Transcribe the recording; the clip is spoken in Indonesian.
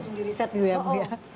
langsung di riset gitu ya bu ya